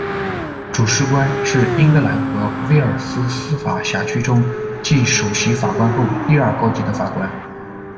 主事官，是英格兰和威尔斯司法辖区中计首席法官后第二高级的法官。